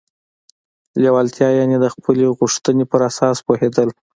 لېوالتیا يانې د خپلې غوښتنې پر ارزښت پوهېدل.